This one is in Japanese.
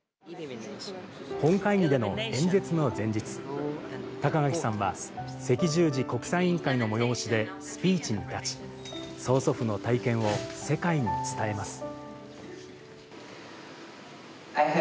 本会議での演説の前日、高垣さんは、赤十字国際委員会の催しでスピーチに立ち、曽祖父の体験を世界に伝えます。